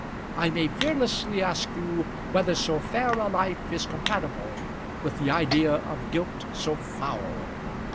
I may fearlessly ask you whether so fair a life is compatible with the idea of guilt so foul?